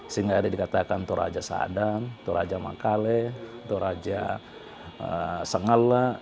sehingga ada dikatakan toraja sadam toraja makale toraja sengala